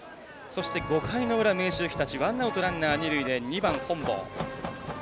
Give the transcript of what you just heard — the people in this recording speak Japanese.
そして、５回の裏、明秀日立ワンアウト、ランナー、二塁で２番、本坊。